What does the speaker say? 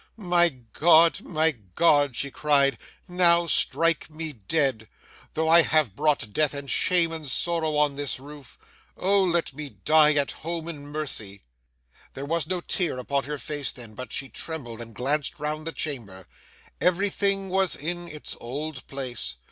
'My God, my God!' she cried, 'now strike me dead! Though I have brought death and shame and sorrow on this roof, O, let me die at home in mercy!' There was no tear upon her face then, but she trembled and glanced round the chamber. Everything was in its old place.